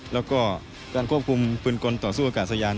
แล้วก็การควบคุมปืนกลต่อสู้อากาศยาน